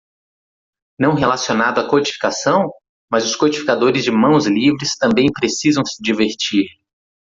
Não relacionado à codificação?, mas os codificadores de mãos livres também precisam se divertir.